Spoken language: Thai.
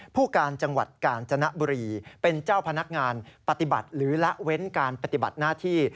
ผู้การจังหวัดกาญจนบุรีเป็นเจ้าพนักงานปฏิบัติหรือละเว้นการปฏิบัติหน้าที่